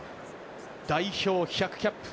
代表１００キャップ。